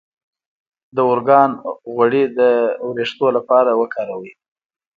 د ارګان غوړي د ویښتو لپاره وکاروئ